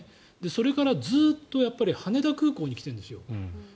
それからずっと羽田空港に来ているんですよ。